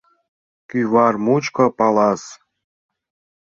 — Кӱвар мучко — палас.